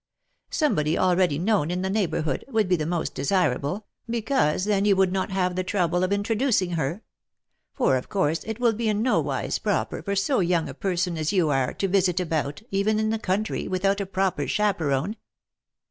Somebody already known in the neighbourhood, would be the most desirable, because then you would not have the trouble of intro ducing her; for of course it will be in no wise proper for so young a person as you are to visit about, even in the country, without a proper chaperone."